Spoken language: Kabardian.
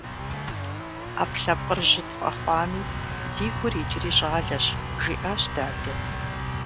- Ӏэпкълъэпкъыр жьы тфӀэхъуами, ди гур иджыри щӀалэщ, - жиӏащ дадэ.